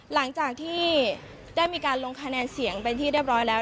หลังจากที่ได้มีการลงคะแนนเสียงเป็นที่เรียบร้อยแล้ว